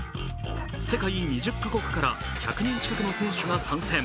世界２０か国から１００人近くの選手が参戦。